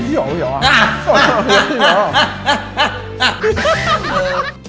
ที่นี่